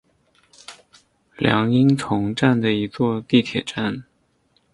凉荫丛站的一座地铁站。